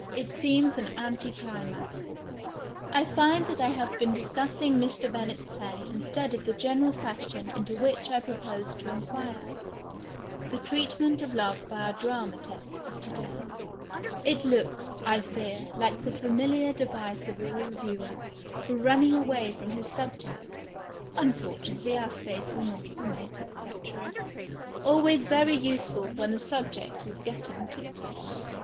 It seems an anti climax. I find that I have been discussing Mr. Bennett's play instead of the general question into which I proposed to inquire — the treatment of love by our dramatists of to day. It looks, I fear, like the fami liar device of a reviewer for running away from his subject —" imfortunately, our space will not permit, &c. '— always very usefid when the subject is getting ticklish.